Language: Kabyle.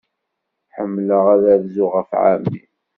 Ḥemmleɣ ad rzuɣ ɣef ɛemmi.